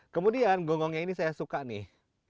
kemudian gonggongnya ini saya suka nih